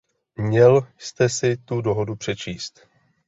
Měl jste si tu dohodu přečíst!